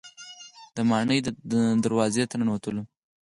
د ماڼۍ دروازې ته ننوتلو.